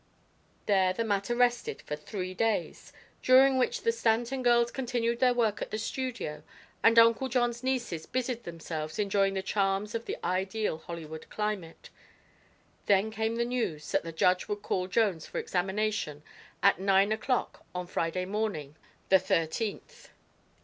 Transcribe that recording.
There the matter rested for three days, during which the Stanton girls continued their work at the studio and Uncle John's nieces busied themselves enjoying the charms of the ideal Hollywood climate. Then came the news that the judge would call Jones for examination at nine o'clock on Friday morning, the thirteenth.